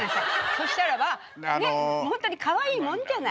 そしたらばねっ本当にかわいいもんじゃない。